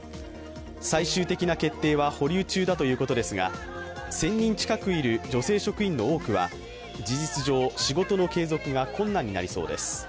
最終的な決定は保留中だということで、１０００人近くいる女性職員の多くは事実上、仕事の継続が困難になりそうです。